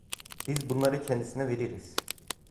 Biz bunları kendisine veririz.